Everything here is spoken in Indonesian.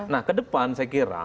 nah kedepan saya kira